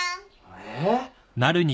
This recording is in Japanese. えっ？